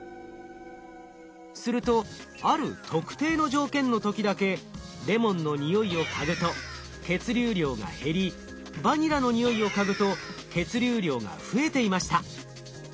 するとある特定の条件の時だけレモンの匂いを嗅ぐと血流量が減りバニラの匂いを嗅ぐと血流量が増えていました。